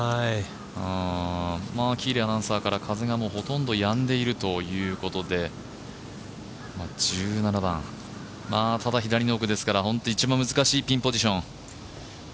喜入アナウンサーから風がほとんどやんでいるということでただ、左の奥ですから一番難しいピンポジション。